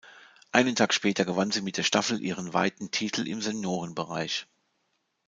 Einen Tag später gewann sie mit der Staffel ihren weiten Titel im Seniorenbereich.